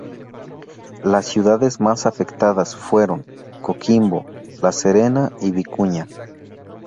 Las ciudades más afectadas fueron Coquimbo, La Serena y Vicuña.